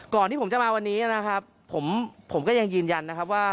ก่อนที่ผมจะมาวันนี้นะครับผมผมก็ยังยืนยันนะครับว่า